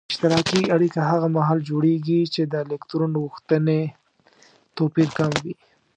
اشتراکي اړیکه هغه محال جوړیږي چې د الکترون غوښتنې توپیر کم وي.